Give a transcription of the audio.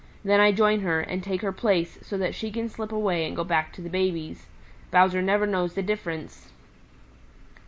Then I join her, and take her place so that she can slip away and go back to the babies. Bowser never knows the difference.